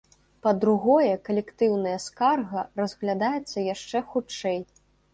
Па-другое, калектыўная скарга разглядаецца яшчэ хутчэй.